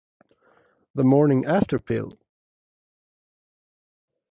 The morning after pill?